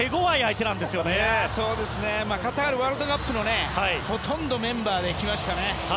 ほとんどカタールワールドカップのメンバーで来ましたね。